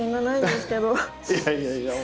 いやいやいやもう。